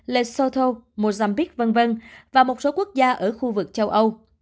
lesotho mozambique v v và một số quốc gia ở khu vực châu âu